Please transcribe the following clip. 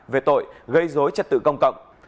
về tội gây dối chất tự công cộng